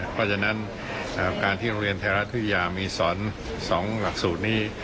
เพราะฉะนั้นการที่โรงเรียนไทยรัฐวิทยามีสอน๒หลักสูตรนี้